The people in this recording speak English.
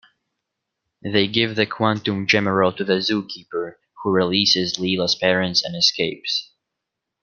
They give the Quantum Gemerald to the Zookeeper, who releases Leela's parents and escapes.